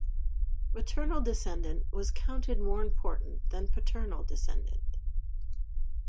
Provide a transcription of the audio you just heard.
Maternal descent was counted more important than paternal descent.